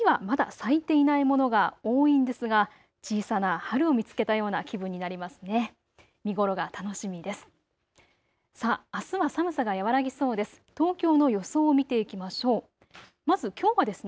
周りの木はまだ咲いていないものが多いんですが、小さな春を見つけたような気分になりますね。